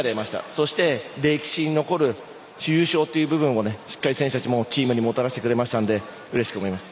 そして歴史に残る優勝という部分をしっかり選手たちもチームにもたらしてくれたのでうれしく思います。